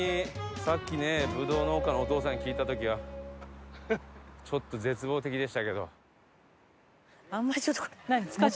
さっきねブドウ農家のお父さんに聞いた時はちょっと絶望的でしたけど。